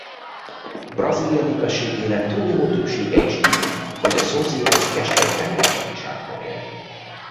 Brazília népességének túlnyomó többsége is itt vagy a szomszédos keskeny tengerparti sávban él.